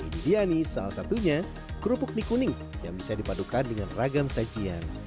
ini dia nih salah satunya kerupuk mie kuning yang bisa dipadukan dengan ragam sajian